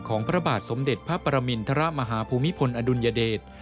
พระบาทสมเด็จพระปรมินทรมาฮภูมิพลอดุลยเดช